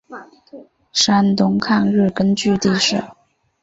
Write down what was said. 山东抗日根据地设。